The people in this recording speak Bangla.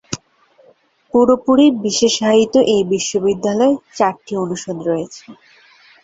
পুরোপুরি বিশেষায়িত এই বিশ্ববিদ্যালয়ে চারটি অনুষদ রয়েছে।